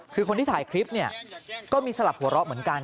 คือคนที่ถ่ายคลิปเนี่ยก็มีสลับหัวเราะเหมือนกัน